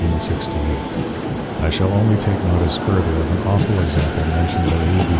I shall only take notice further of an awful Example mentioned by A. B.